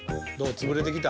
つぶれてきた？